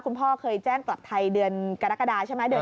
คุณนุ้นอิ๊งเองค่ะ